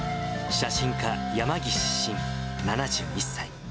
写真家、山岸伸７１歳。